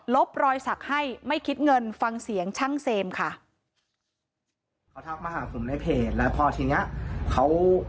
ลบรอยศักดิ์ให้ไม่คิดเงินฟังเสียงทั้งเสมค่ะ